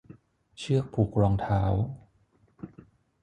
เชือกผูกรองเท้า